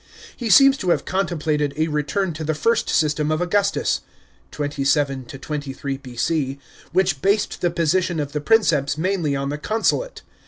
He seems to have contemplated a return to the first system of Augustus (27 23 B.C.) which based the position of the Ptinceps mainly on the consulate.